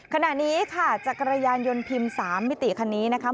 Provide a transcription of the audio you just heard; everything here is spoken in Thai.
ขณะนี้ค่ะจักรยานยนต์พิมพ์๓มิติคันนี้นะคะ